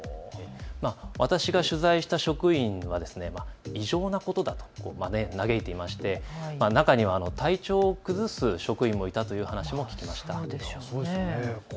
私が取材した職員は異常なほどだと嘆いていまして中には体調を崩す職員もいたという話も聞きました。